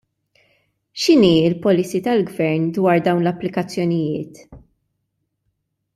X'inhi l-policy tal-gvern dwar dawn l-applikazzjonijiet?